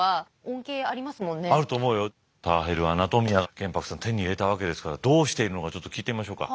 玄白さん手に入れたわけですからどうしているのかちょっと聞いてみましょうか。